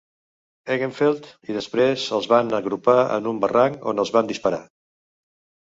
Eggenfeld i després els van agrupar en un barranc, on els van disparar.